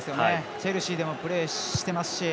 チェルシーでもプレーしてますし。